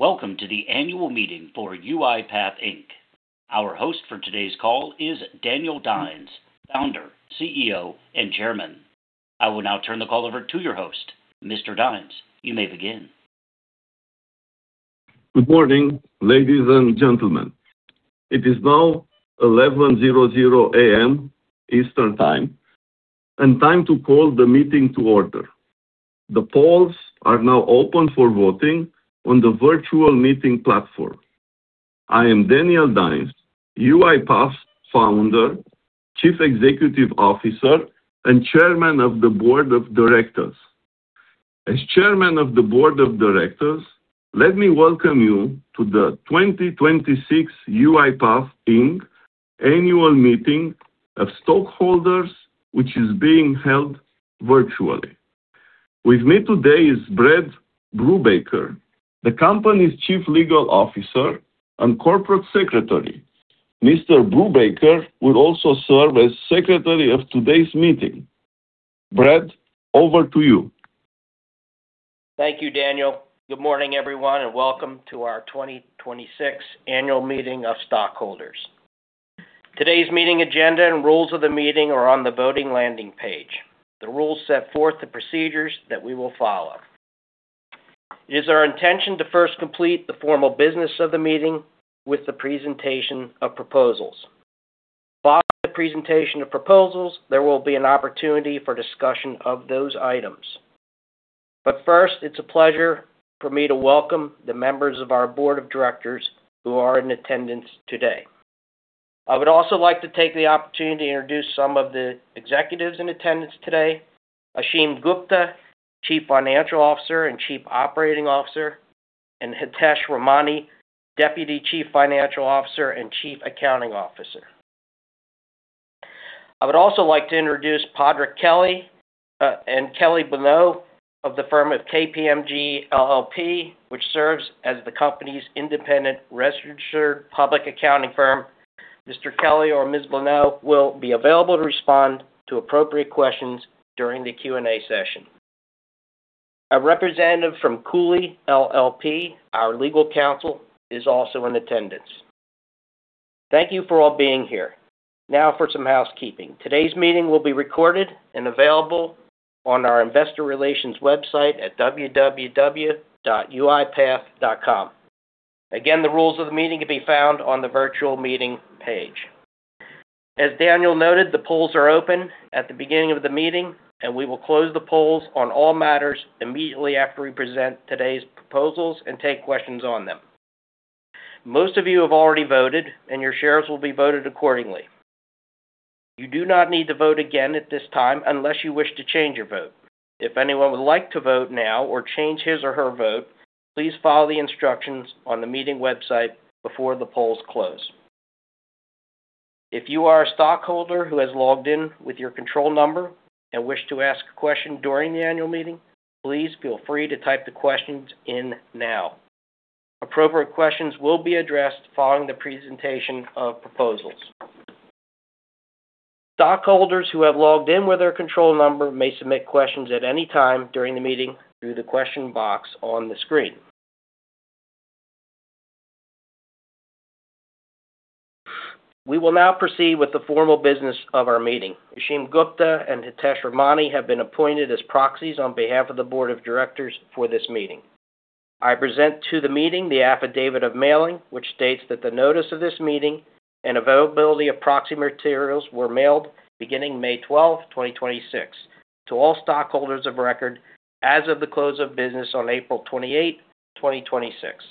Welcome to the annual meeting for UiPath Inc. Our host for today's call is Daniel Dines, founder, CEO, and chairman. I will now turn the call over to your host. Mr. Dines, you may begin. Good morning, ladies and gentlemen. It is now 11:00 A.M. Eastern Time and time to call the meeting to order. The polls are now open for voting on the virtual meeting platform. I am Daniel Dines, UiPath founder, Chief Executive Officer, and chairman of the board of directors. As chairman of the board of directors, let me welcome you to the 2026 UiPath Inc. annual meeting of stockholders, which is being held virtually. With me today is Brad Brubaker, the company's chief legal officer and corporate secretary. Mr. Brubaker will also serve as secretary of today's meeting. Brad, over to you. Thank you, Daniel. Good morning, everyone, and welcome to our 2026 annual meeting of stockholders. Today's meeting agenda and rules of the meeting are on the voting landing page. The rules set forth the procedures that we will follow. It is our intention to first complete the formal business of the meeting with the presentation of proposals. Following the presentation of proposals, there will be an opportunity for discussion of those items. First, it's a pleasure for me to welcome the members of our board of directors who are in attendance today. I would also like to take the opportunity to introduce some of the executives in attendance today. Ashim Gupta, chief financial officer and chief operating officer, and Hitesh Ramani, deputy chief financial officer and chief accounting officer. I would also like to introduce Padraic Kelly and Kelly Blennau of the firm of KPMG LLP, which serves as the company's independent registered public accounting firm. Mr. Kelly or Ms. Blennau will be available to respond to appropriate questions during the Q&A session. A representative from Cooley LLP, our legal counsel, is also in attendance. Thank you for all being here. Now for some housekeeping. Today's meeting will be recorded and available on our investor relations website at www.uipath.com. Again, the rules of the meeting can be found on the virtual meeting page. As Daniel noted, the polls are open at the beginning of the meeting. We will close the polls on all matters immediately after we present today's proposals and take questions on them. Most of you have already voted, and your shares will be voted accordingly. You do not need to vote again at this time unless you wish to change your vote. If anyone would like to vote now or change his or her vote, please follow the instructions on the meeting website before the polls close. If you are a stockholder who has logged in with your control number and wish to ask a question during the annual meeting, please feel free to type the questions in now. Appropriate questions will be addressed following the presentation of proposals. Stockholders who have logged in with their control number may submit questions at any time during the meeting through the question box on the screen. We will now proceed with the formal business of our meeting. Ashim Gupta and Hitesh Ramani have been appointed as proxies on behalf of the board of directors for this meeting. I present to the meeting the affidavit of mailing, which states that the notice of this meeting and availability of proxy materials were mailed beginning May 12, 2026, to all stockholders of record as of the close of business on April 28, 2026.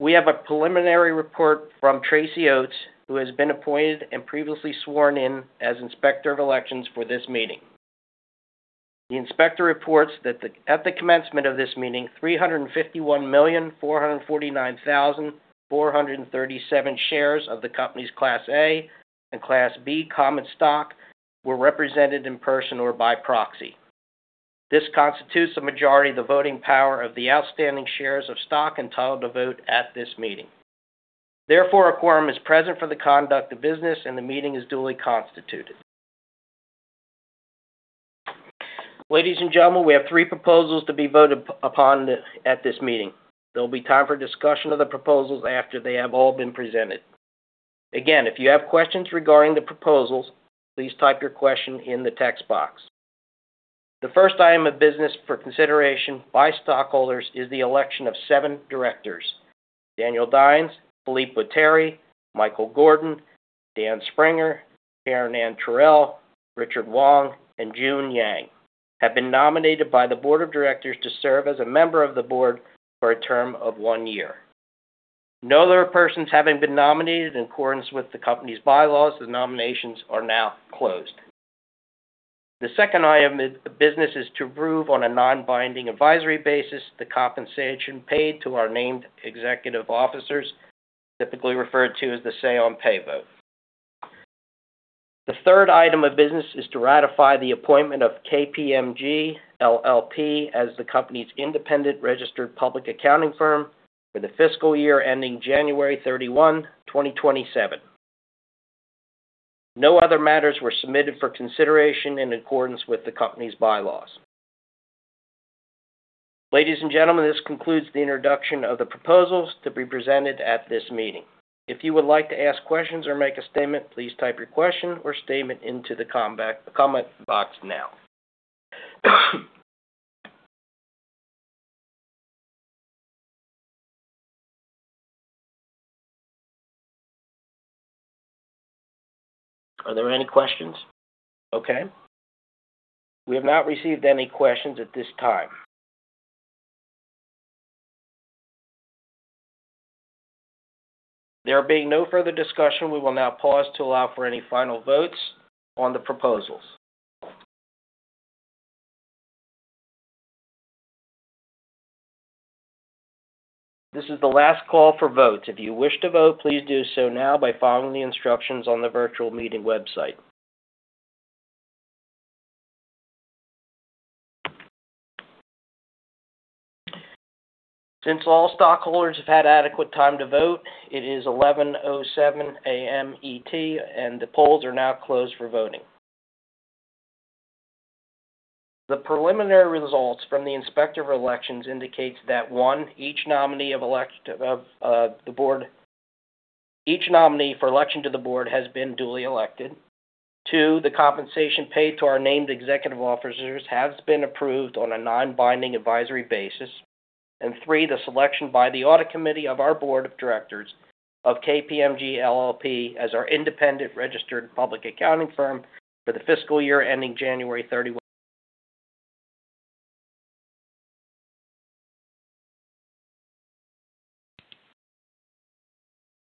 We have a preliminary report from Tracy Oats, who has been appointed and previously sworn in as Inspector of Elections for this meeting. The inspector reports that at the commencement of this meeting, 351,449,437 shares of the company's Class A and Class B common stock were represented in person or by proxy. This constitutes a majority of the voting power of the outstanding shares of stock entitled to vote at this meeting. Therefore, a quorum is present for the conduct of business and the meeting is duly constituted. Ladies and gentlemen, we have three proposals to be voted upon at this meeting. There'll be time for discussion of the proposals after they have all been presented. Again, if you have questions regarding the proposals, please type your question in the text box. The first item of business for consideration by stockholders is the election of seven directors. Daniel Dines, Philippe Botteri, Michael Gordon, Dan Springer, Karenann Terrell, Rich Wong, and June Yang have been nominated by the board of directors to serve as a member of the board for a term of one year. No other persons having been nominated in accordance with the company's bylaws, the nominations are now closed. The second item of business is to approve on a non-binding advisory basis the compensation paid to our named executive officers, typically referred to as the say on pay vote. The third item of business is to ratify the appointment of KPMG LLP as the company's independent registered public accounting firm for the fiscal year ending January 31, 2027. No other matters were submitted for consideration in accordance with the company's bylaws. Ladies and gentlemen, this concludes the introduction of the proposals to be presented at this meeting. If you would like to ask questions or make a statement, please type your question or statement into the comment box now. Are there any questions? Okay. We have not received any questions at this time. There being no further discussion, we will now pause to allow for any final votes on the proposals. This is the last call for votes. If you wish to vote, please do so now by following the instructions on the virtual meeting website. Since all stockholders have had adequate time to vote, it is 11:07 A.M. ET and the polls are now closed for voting. The preliminary results from the Inspector of Elections indicates that, one, each nominee for election to the board has been duly elected. Two, the compensation paid to our named executive officers has been approved on a non-binding advisory basis. Three, the selection by the Audit Committee of our Board of Directors of KPMG LLP as our independent registered public accounting firm for the fiscal year ending January 31.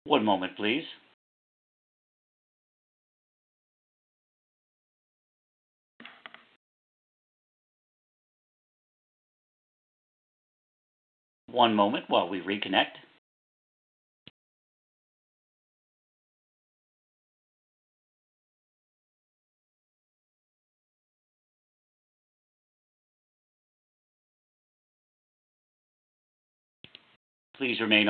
One moment, please. One moment while we reconnect. Please remain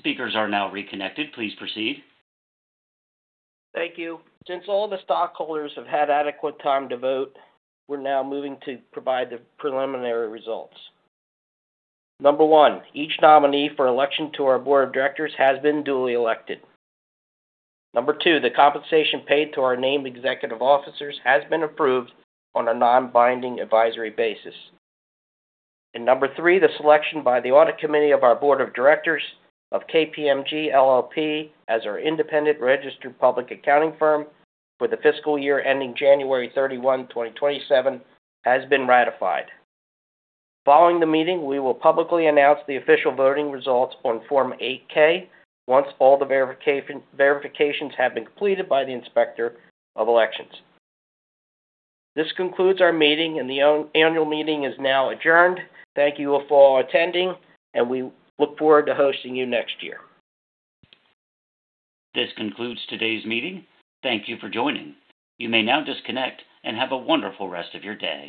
on the line. One moment, please. Speakers are now reconnected. Please proceed. Thank you. Since all the stockholders have had adequate time to vote, we're now moving to provide the preliminary results. Number one, each nominee for election to our Board of Directors has been duly elected. Number two, the compensation paid to our named executive officers has been approved on a non-binding advisory basis. Number three, the selection by the Audit Committee of our Board of Directors of KPMG LLP as our independent registered public accounting firm for the fiscal year ending January 31, 2027, has been ratified. Following the meeting, we will publicly announce the official voting results on Form 8-K once all the verifications have been completed by the Inspector of Elections. This concludes our meeting, and the annual meeting is now adjourned. Thank you for attending, and we look forward to hosting you next year. This concludes today's meeting. Thank you for joining. You may now disconnect and have a wonderful rest of your day.